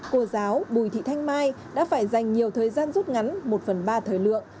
cô giáo bùi thị thanh mai đã phải dành nhiều thời gian rút ngắn một phần ba thời lượng